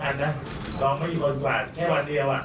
น้องไม่อยู่บนหวาดแค่หวาดเดียว